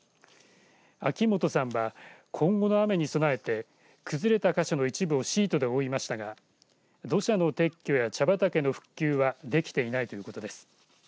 秋本さんは今後の雨に備えて崩れた箇所の一部をシートで覆いましたが土砂の撤去や茶畑の復旧はできていないということです。